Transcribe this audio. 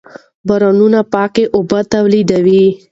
بارانونه پاکې اوبه تولیدوي.